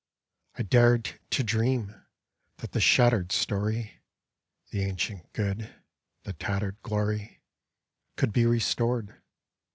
I dared to dream that the shattered story. The ancient good, the tattered glory, Could be restored.